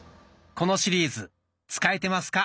このシリーズ「使えてますか？